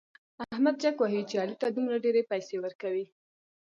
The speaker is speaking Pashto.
احمد جک وهي چې علي ته دومره ډېرې پيسې ورکوي.